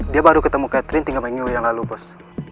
dia baru ketemu catherine tiga minggu yang lalu bos